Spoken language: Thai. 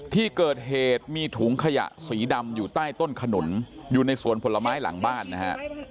ที่เกิดเหตุมีถุงขยะสีดำอยู่ใต้ต้นขนุนอยู่ในสวนผลไม้หลังบ้านนะฮะ